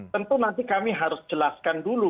tentu nanti kami harus jelaskan dulu